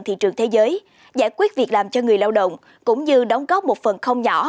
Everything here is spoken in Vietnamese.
thị trường thế giới giải quyết việc làm cho người lao động cũng như đóng góp một phần không nhỏ